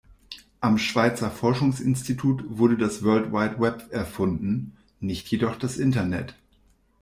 Am Schweizer Forschungsinstitut wurde das World Wide Web erfunden, nicht jedoch das Internet.